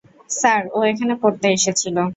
Sir ও এখানে পড়তে এসেছিল।